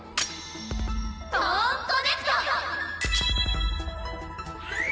トーンコネクト！